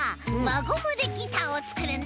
ゴムでギターをつくるんだ！